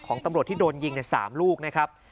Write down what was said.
ตำรวจที่โดนยิง๓ลูกนะครับ